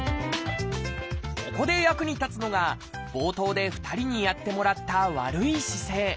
ここで役に立つのが冒頭で２人にやってもらった悪い姿勢。